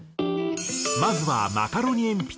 まずはマカロニえんぴつ